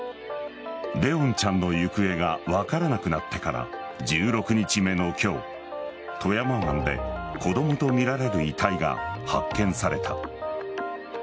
怜音ちゃんの行方が分からなくなってから１６日目の今日富山湾で子供とみられる遺体が発見された。